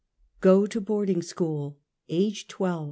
GO TO BOARDING SCHOOL. — Age, 12.